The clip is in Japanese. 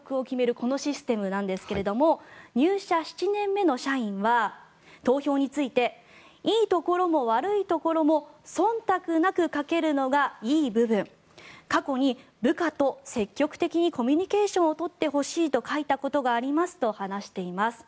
このシステムですが入社７年目の社員は投票についていいところも悪いところもそんたくなく書けるのがいい部分過去に、部下と積極的にコミュニケーションを取ってほしいと書いたことがありますと話しています。